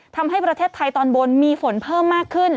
ทำให้ประเทศไทยตอนบนมีฝนเพิ่มมากขึ้น